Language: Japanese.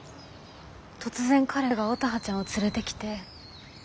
突然彼が乙葉ちゃんを連れてきて。